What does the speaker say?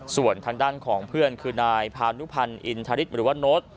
ส่วนทางด้านของเพื่อนคือนายพานุพันธ์อินทริตหรือว่าโน้ต